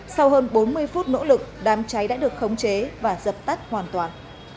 sau hơn bốn mươi phút nỗ lực đám cháy đã được khống chế và dập tắt hoàn toàn